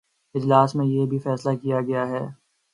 اجلاس میں یہ بھی فیصلہ کیا گیا کہ